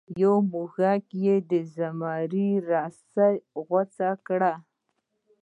یو موږک د زمري رسۍ غوڅې کړې.